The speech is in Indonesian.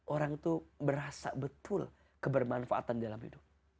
orang itu merasa betul kebermanfaatan dalam hidup